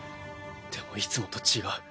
でもいつもと違う。